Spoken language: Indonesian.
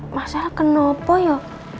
mas al kenapa ya